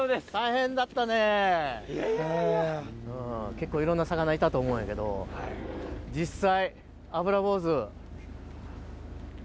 結構いろんな魚いたと思うんやけど実際。